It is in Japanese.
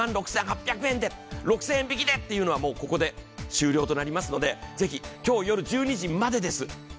もう２万６８００円で、６０００円引きでというのはここで終了となりますので、ぜひ今日夜１２時までです。